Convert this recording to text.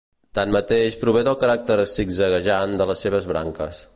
Tanmateix prové del caràcter zigzaguejant de les seves branques.